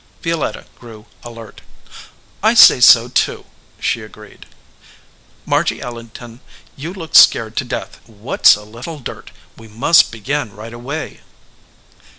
Violetta grew alert. "I say so, too," she agreed. "Margy Ellerton, you look scared to death. What s a little dirt? We must begin right away."